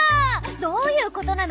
どういうことなの！？